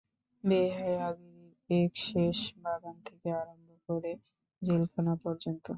বেহায়াগিরির একশেষ, বাগান থেকে আরম্ভ করে জেলখানা পর্যন্ত।